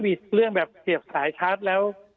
เรื่องแบบเสียบสายชาร์จแล้ว